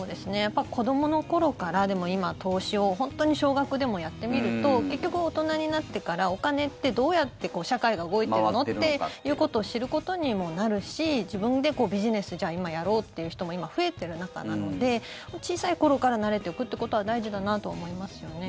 子どもの頃からでも今、投資を本当に少額でもやってみると結局、大人になってからお金ってどうやって社会が動いてるの？ということを知ることにもなるし自分でビジネスをじゃあ、今やろうという人も増えている中なので小さい頃から慣れておくということは大事だなと思いますよね。